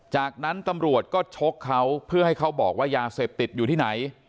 จากนั้นตำรวจก็ชกเขาเพื่อให้เขาบอกว่ายาเสพติดอยู่ที่ไหน